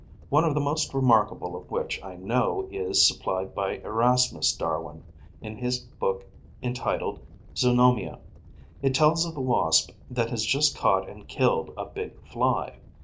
One of the most remarkable of which I know is supplied by Erasmus Darwin, in his book entitled "Zoonomia." It tells of a Wasp that has just caught and killed a big Fly.